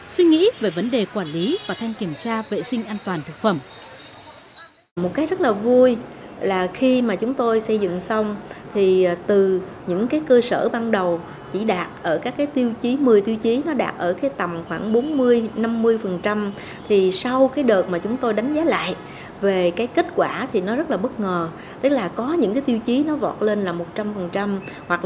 suy nghĩ về vấn đề quản lý và thanh kiểm tra vệ sinh an toàn thực phẩm